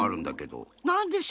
なんでしょう？